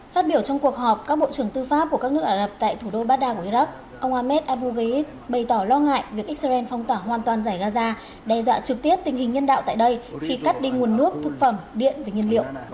phát biểu trong cuộc họp các bộ trưởng tư pháp của các nước ả rập tại thủ đô baghdad của iraq ông ahmed abu gheib bày tỏ lo ngại việc israel phong tỏa hoàn toàn giải gaza đe dọa trực tiếp tình hình nhân đạo tại đây khi cắt đi nguồn nước thực phẩm điện và nhiên liệu